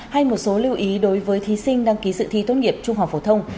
hay một số lưu ý đối với thí sinh đăng ký sự thi tốt nghiệp trung học phổ thông